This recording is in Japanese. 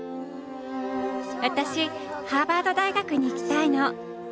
私ハーバード大学に行きたいの！